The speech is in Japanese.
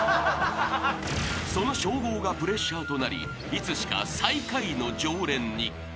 ［その称号がプレッシャーとなりいつしか最下位の常連に］